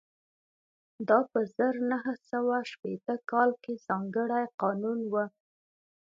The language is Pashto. دا په زر نه سوه شپېته کال کې ځانګړی قانون و